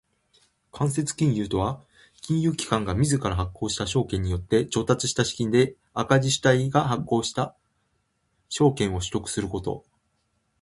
間接金融とは金融機関が自ら発行した証券によって調達した資金で赤字主体が発行した証券を取得すること。